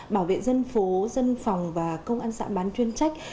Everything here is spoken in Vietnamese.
bảo vệ dân phố dân phòng và công an xã bán chuyên trách